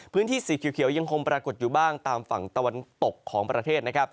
พื้นที่สีเขียวยังคงปรากฏอยู่บ้างตามฝั่งตะวันตกของประเทศนะครับ